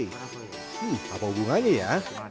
hmm apa hubungannya ya